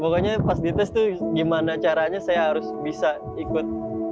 pokoknya pas dites tuh gimana caranya saya harus bisa ikut